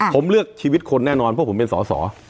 ผมเลือกชีวิตคนแน่นอนเพราะผมเป็นสอสอ